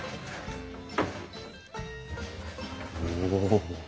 お。